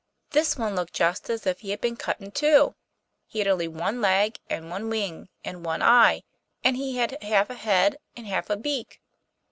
This one looked just as if he had been cut in two. He had only one leg, and one wing, and one eye, and he had half a head and half a beak.